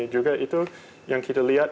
juga itu yang kita lihat